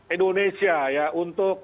indonesia ya untuk